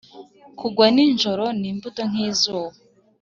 kugwa nijoro n'imbuto nk'izuba,